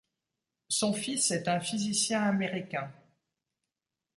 Son fils est un physicien américain.